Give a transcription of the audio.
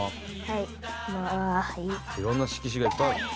「いろんな色紙がいっぱいある」